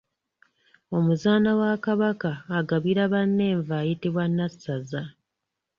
Omuzaana wa Kabaka agabira banne enva ayitibwa Nassaza.